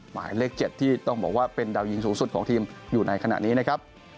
หมายเลข๗ที่ต้องบอกว่าเป็นดาวยิงสูงสุดของทีมอยู่ในขณะนี้นะครับ